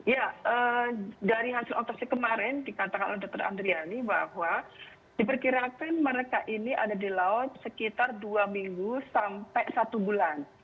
ya dari hasil otopsi kemarin dikatakan oleh dr andriani bahwa diperkirakan mereka ini ada di laut sekitar dua minggu sampai satu bulan